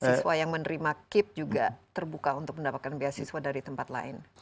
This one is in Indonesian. siswa yang menerima kip juga terbuka untuk mendapatkan beasiswa dari tempat lain